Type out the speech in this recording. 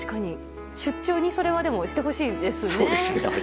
出張にそれはしてほしいですね。